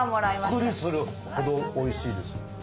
ビックリするほどおいしいです。